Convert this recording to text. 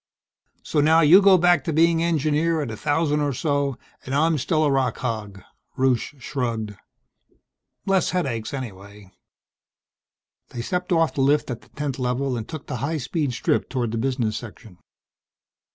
"So now you go back to being engineer at a thousand or so, and I'm still a rock hog." Rusche shrugged. "Less headaches anyhow." They stepped off the lift at the 10th Level and took the high speed strip toward the business section.